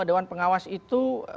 dewan pengawas itu